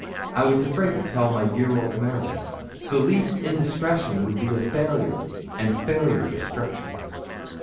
I was afraid to tell my dear old Mary. The least indiscretion would be failure, and failure destruction.